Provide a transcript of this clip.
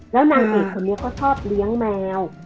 แล้วนางเอกคนนี้เขาชอบเลี้ยงแมว